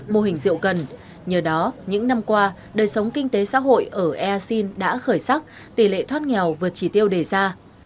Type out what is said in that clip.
mô hình rượu cần nhờ đó những năm qua đời sống kinh tế xã hội ở easin đã khởi sắc tỷ lệ thoát nghèo vượt chỉ tiêu đề ra